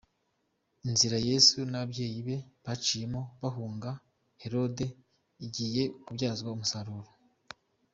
Inzira Yesu n’ ababyeyi be baciyemo bahunga Herode igiye kubyazwa umusaro .